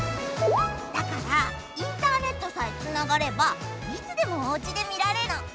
だからインターネットさえつながればいつでもおうちで見られるの！